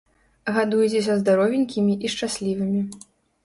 Гадуйцеся здаровенькімі і шчаслівымі.